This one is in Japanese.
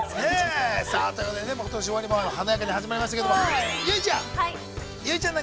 さあというわけで、ことし終わりも華やかに始まりましたけれども結実ちゃん。